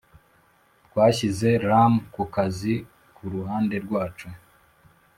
twashyize rum ku kazi kuruhande rwacu,